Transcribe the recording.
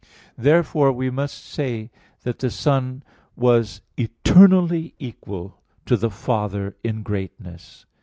Therefore we must say that the Son was eternally equal to the Father in greatness.